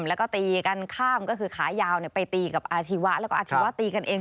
แล้วก็ตีกันข้ามก็คือขายาวไปตีกับอาชีวะแล้วก็อาชีวะตีกันเอง